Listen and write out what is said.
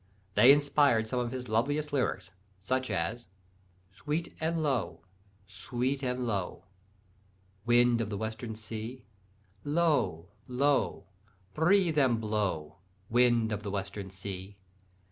They inspired some of his loveliest lyrics, such as: "Sweet and low, sweet and low, Wind of the western sea, Low, low, breathe and blow, Wind of the western sea!